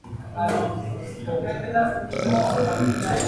Today, this concept is defined as sea control.